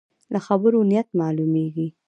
له خبرو نیت معلومېږي.